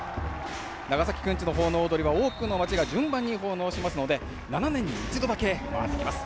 長崎くんちの奉納踊は多くの町が順番に奉納しますので、７年に１度だけ回ってきます。